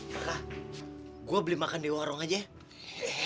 kakak gue beli makan di warung aja ya